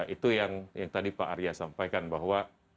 itu yang tadi pak arya sampaikan bahwa